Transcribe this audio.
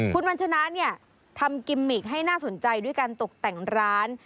คุณวัญชนะเนี่ยทำกิมมิกให้น่าสนใจด้วยการตกแต่งร้าน